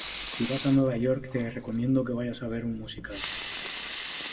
Si vas a Nueva York te recomiendo que vayas a ver un musical.